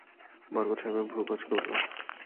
বরকত সাহেবের ভুরু কুচকে উঠল।